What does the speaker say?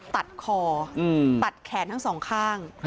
ตัดคอตัดแขนทั้งสองข้าง